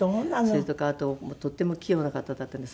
それとかあととっても器用な方だったんです。